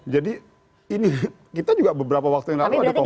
jadi ini kita juga beberapa waktu yang lalu ada komunikasi